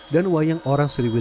dan wayang orang sriwetan